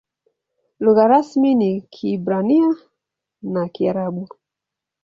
Lugha rasmi ni Kiebrania na Kiarabu.